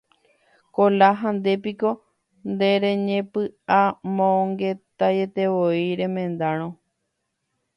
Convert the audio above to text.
Kola, ha ndépiko nereñepy'amongetaietevoi remendárõ.